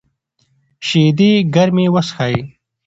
شیدې ګرمې وڅښئ.